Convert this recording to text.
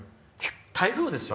台風ですよ。